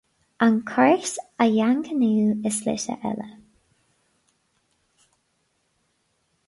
An Chairt a dhaingniú i slite eile.